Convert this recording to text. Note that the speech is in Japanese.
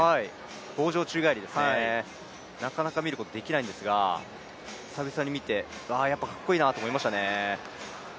棒上宙返りですね、なかなか見ることができないんですが、久々に見てうわ、やっぱかっこいいなと思いましたね。